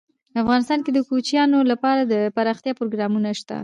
افغانستان کې د کوچیانو لپاره دپرمختیا پروګرامونه شته.